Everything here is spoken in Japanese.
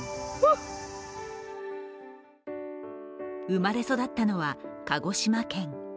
生まれ育ったのは鹿児島県。